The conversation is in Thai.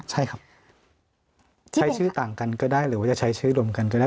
ใช่ครับใช้ชื่อต่างกันก็ได้หรือว่าจะใช้ชื่อรวมกันก็ได้